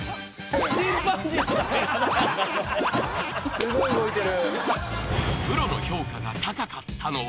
すごい動いてる。